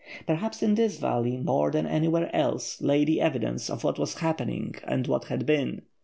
Perhaps in this valley, more than anywhere else, lay the evidences of what was happening and what had been.